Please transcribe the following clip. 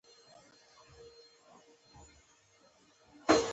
کله به اصولي صیب موټر پر يوه کوڅه ورسم کړ.